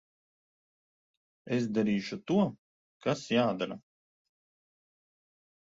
Es darīšu to, kas jādara.